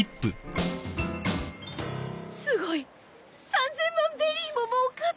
すごい３，０００万ベリーももうかってる！